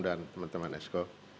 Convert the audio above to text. dan teman teman expo